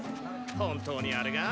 ・本当にあれが？